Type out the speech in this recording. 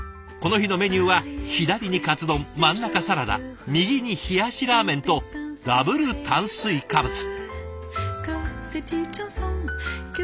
この日のメニューは左にかつ丼真ん中サラダ右に冷やしラーメンとダブル炭水化物。